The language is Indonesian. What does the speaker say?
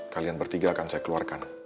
kalian bertiga akan saya keluarkan